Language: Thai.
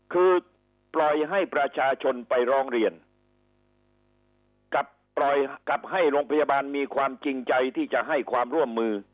คือปล่อยให้ประชาชนไปร้องเรียนกับปล่อยกลับให้โรงพยาบาลมีความจริงใจที่จะให้ความร่วมมือ